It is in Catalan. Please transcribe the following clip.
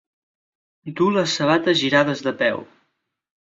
Dur les sabates girades de peu.